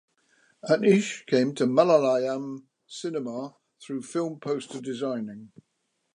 Aneesh came to Malayalam cinema through film poster designing.